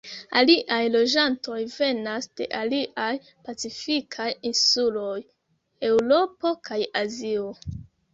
Aliaj loĝantoj venas de aliaj pacifikaj insuloj, Eŭropo kaj Azio.